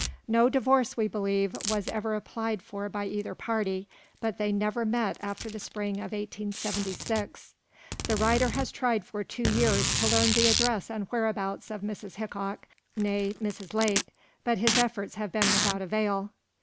No divorce, we believe, was ever applied for by either party, but they never met after the spring of 1876. The writer has tried for two years to learn the address and whereabouts of Mrs. Hickok, nee Mrs. Lake, but his efforts have been without avail.